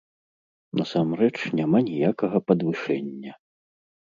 Насамрэч, няма ніякага падвышэння!